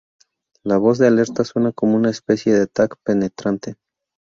La voz de alerta suena como una especie de "tac" penetrante.